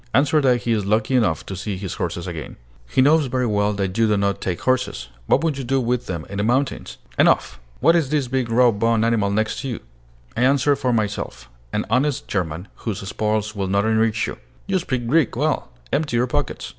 "Answer that he is lucky enough to see his horses again." "He knows very well that you do not take horses. What would you do with them in the mountains?" "Enough! What is this big raw boned animal next you?" I answered for myself: "An honest German, whose spoils will not enrich you." "You speak Greek well. Empty your pockets."